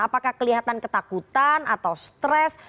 apakah kelihatan ketakutan atau stres